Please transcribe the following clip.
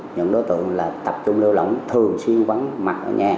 những đối tượng là tập trung lưu lỏng thường xuyên vắng mặt ở nhà